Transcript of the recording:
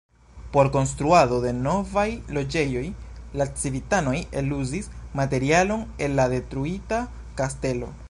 Por konstruado de novaj loĝejoj la civitanoj eluzis materialon el la detruita kastelo.